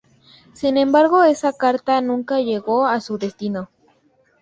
Sin embargo esa carta nunca llegó a su destino.